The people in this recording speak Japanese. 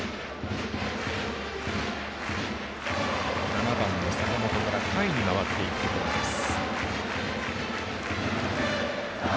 ７番の坂本から下位に回っていくところです。